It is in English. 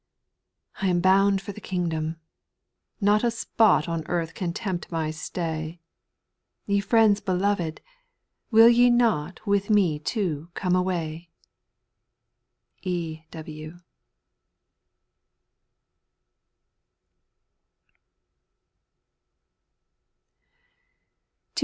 5. I am bound for the kingdom ! Not a spot On earth can tempt my stay ; Ye friends beloved ! will ye not With me too come away ? E.